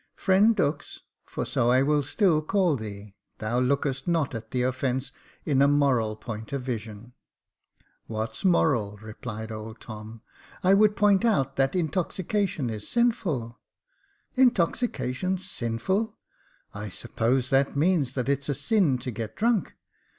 " Friend Dux, for so I will still call thee, thou lookest not at the offence in a moral point of vision." " What's moral ?" replied old Tom. " I would point out that intoxication is sinful." *' Intoxication sinful ! I suppose that means that it's a sin to get drunk.